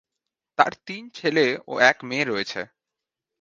তার তিন ছেলে ও এক মেয়ে রয়েছে।